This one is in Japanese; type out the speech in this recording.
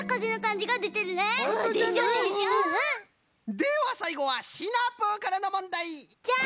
ではさいごはシナプーからのもんだい！じゃん！